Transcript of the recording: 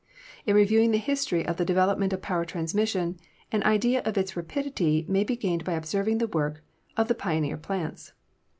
In reviewing the history of the development of power transmission, an idea of its rapidity may be gained by observing the work of the pioneer plants.